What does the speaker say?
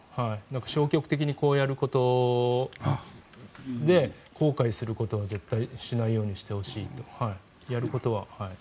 消極的にこうやることで後悔することは絶対しないようにしてほしいとやることは。